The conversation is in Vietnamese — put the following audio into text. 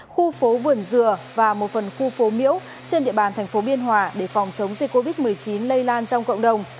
khu phố vườn dừa và một phần khu phố miễu trên địa bàn thành phố biên hòa để phòng chống dịch covid một mươi chín lây lan trong cộng đồng